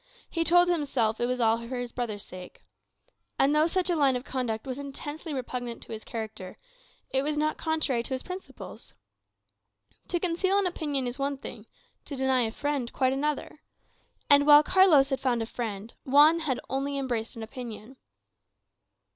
He told himself it was all for his brother's sake. And though such a line of conduct was intensely repugnant to his character, it was not contrary to his principles. To conceal an opinion is one thing, to deny a friend quite another. And while Carlos had found a Friend, Juan had only embraced an opinion.